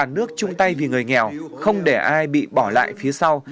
cả nước chung tay vì người nghèo không để ai bị bỏ lại phía sau